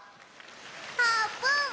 あーぷん！